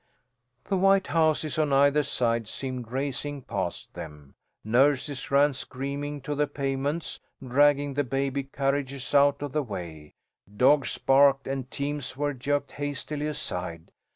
The white houses on either side seemed racing past them. Nurses ran, screaming, to the pavements, dragging the baby carriages out of the way. Dogs barked and teams were jerked hastily aside.